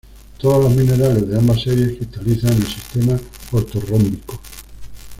Todos los minerales de ambas series cristalizan en el sistema ortorrómbico.